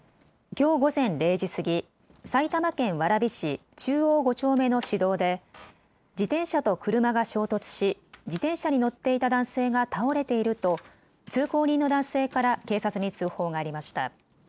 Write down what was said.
きょう午前０時過ぎ、埼玉県蕨市中央５丁目の市道で自転車と車が衝突し自転車に乗っていた男性が倒れていると通行人の男性から警察に通報がありました。